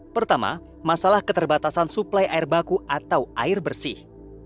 pertama masalah keterbatasan suplai air baku atau air bersih